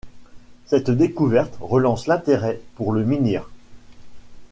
Cette découverte relance l’intérêt pour le menhir.